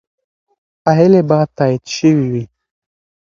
پایلې به تایید شوې وي.